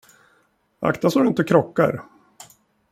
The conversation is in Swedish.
Akta så att du inte krockar.